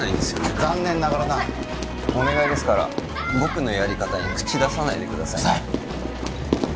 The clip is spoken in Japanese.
残念ながらなお願いですから僕のやり方に口出さないでください